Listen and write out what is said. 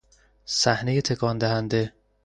صحنهی تکان دهنده